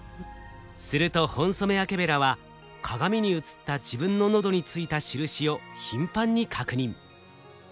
するとホンソメワケベラは鏡に映った自分の喉についた印を頻繁に確認。